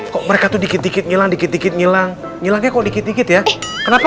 kok mereka tuh dikit dikit ngilang dikit dikit ngilang ngilangnya kok dikit dikit ya kenapa